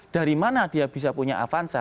dari mana dia bisa punya avanza